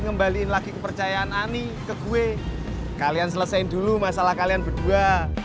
ngembaliin lagi kepercayaan ani ke gue kalian selesaiin dulu masalah kalian berdua